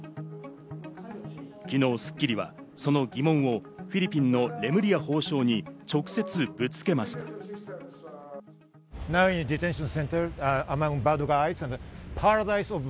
昨日『スッキリ』はその疑問をフィリピンのレムリヤ法相に直接ぶつけました。